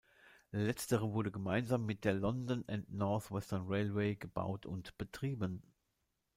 Letztere wurde gemeinsam mit der London and North Western Railway gebaut und betrieben.